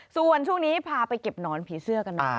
ส่วนช่วงนี้พาไปเก็บหนอนผีเสื้อกันหน่อย